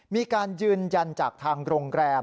มีการยืนยันจากทางโรงแรม